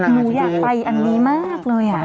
หนูอยากไปอันนี้มากเลย